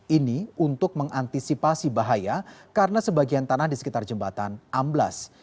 ini untuk mengantisipasi bahaya karena sebagian tanah di sekitar jembatan amblas